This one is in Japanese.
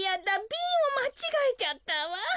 ビンをまちがえちゃったわ。